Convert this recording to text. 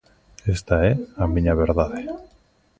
Esta é a miña verdade.